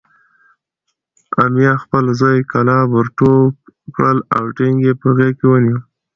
امیه پخپل زوی کلاب ورټوپ کړل او ټینګ یې په غېږ کې ونیو.